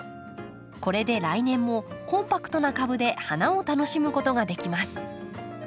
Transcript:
これで来年もコンパクトな株で花を楽しむことができます。